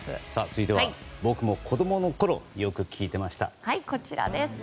続いては僕も子供のころよく聴いていました。